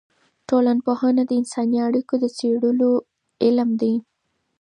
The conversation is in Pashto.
ټولنپوهنه د انساني اړیکو د څېړلو علم دی.